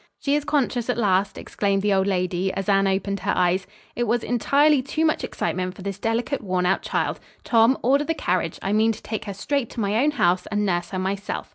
"She is conscious at last!" exclaimed the old lady, as Anne opened her eyes. "It was entirely too much excitement for this delicate, worn out child. Tom, order the carriage. I mean to take her straight to my own house and nurse her myself.